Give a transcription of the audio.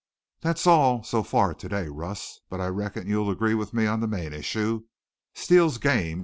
"That's all, so far, to day, Russ, but I reckon you'll agree with me on the main issue Steele's game's opened."